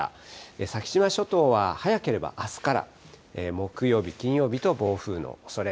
先島諸島は早ければあすから、木曜日、金曜日と暴風のおそれ。